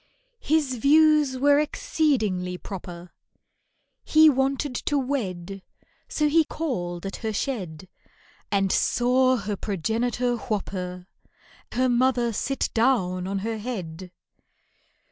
His views were exceedingly proper, He wanted to wed, So he called at her shed And saw her progenitor whop her— Her mother sit down on her head.